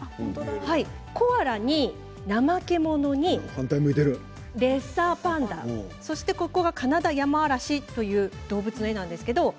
コアラにナマケモノにレッサーパンダそしてカナダヤマアラシという動物です。